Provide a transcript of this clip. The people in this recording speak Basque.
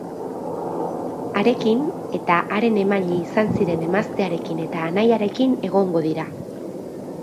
Harekin eta haren emaile izan ziren emaztearekin eta anaiarekin egongo dira.